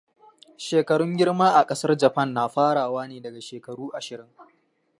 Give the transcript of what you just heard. Shekarun girma a ƙasar Japan na farawa ne daga shekaru ashirin.